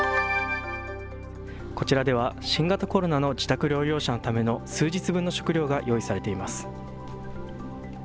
こちらでは新型コロナの自宅療養者のための数日分の食料が用意されています。